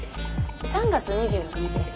３月２６日です。